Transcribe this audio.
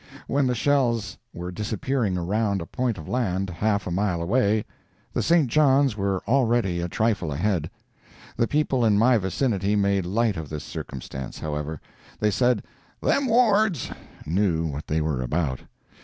When the shells were disappearing around a point of land, half a mile away, the St. John's were already a trifle ahead. The people in my vicinity made light of this circumstance, however. They said "them Ward's" knew what they were about.